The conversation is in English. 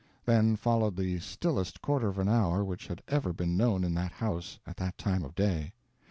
Then followed the stillest quarter of an hour which had ever been known in that house at that time of day.